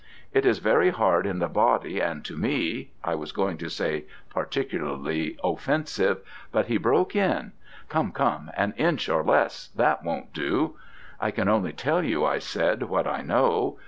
It is very hard in the body, and to me' I was going to say 'particularly offensive,' but he broke in, 'Come, come; an inch or less. That won't do.' 'I can only tell you,' I said, 'what I know.